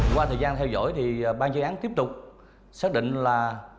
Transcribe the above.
qua thời gian theo dõi thì ban chuyên án tiếp tục xác định là